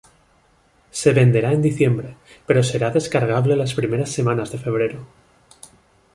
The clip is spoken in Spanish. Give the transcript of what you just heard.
Se venderá en diciembre, pero será descargable las primeras semanas de febrero.